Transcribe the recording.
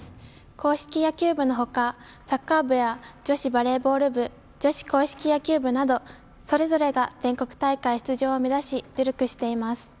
硬式野球部の他、サッカー部や女子バレーボール部女子硬式野球部などそれぞれが全国大会出場を目指し努力しています。